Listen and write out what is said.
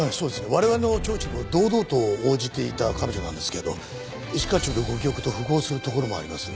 我々の聴取にも堂々と応じていた彼女なんですけど一課長のご記憶と符合するところもあります。